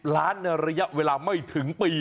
ล้านในระยะเวลาไม่ถึงปี